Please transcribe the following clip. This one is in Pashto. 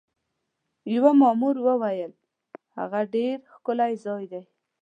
یوه مامور وویل: هغه ډېر ښکلی ځای دی.